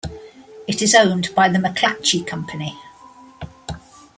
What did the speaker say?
It is owned by The McClatchy Company.